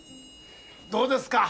どうですか？